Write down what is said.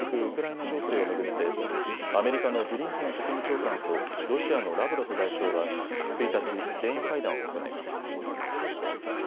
ウクライナ情勢を巡ってアメリカのブリンケン国務長官とロシアのラブロフ外相は１日、電話会談を行います。